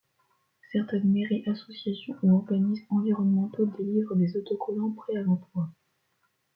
Certaines mairies, associations ou organismes environnementaux délivrent des autocollants prêts à l'emploi.